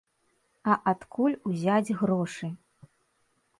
А адкуль узяць грошы?